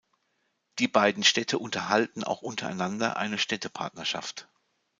Diese beiden Städte unterhalten auch untereinander eine Städtepartnerschaft.